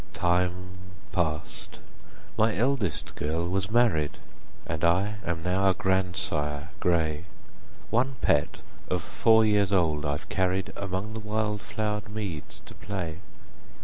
40 Time pass'd. My eldest girl was married, And I am now a grandsire gray; One pet of four years old I've carried Among the wild flower'd meads to play.